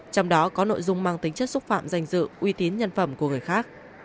trong đó có nội dung mang tính chất xúc phạm danh dự uy tín nhân phẩm của người khác